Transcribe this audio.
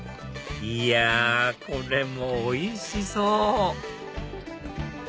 いやこれもおいしそう！